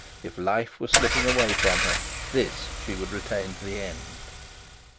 If life were slipping away from her, this she would retain to the end.